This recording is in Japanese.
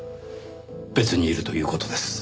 別にいるという事です。